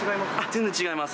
全然違います。